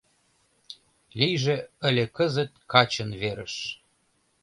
Лийже ыле кызыт качын верыш